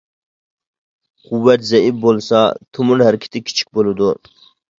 قۇۋۋەت زەئىپ بولسا، تومۇر ھەرىكىتى كىچىك بولىدۇ.